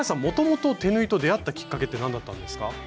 もともと手縫いと出会ったきっかけって何だったんですか？